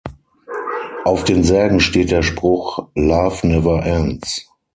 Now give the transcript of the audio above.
Auf den Särgen steht der Spruch: „Love never ends“.